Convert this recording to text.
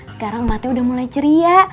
sekarang matanya udah mulai ceria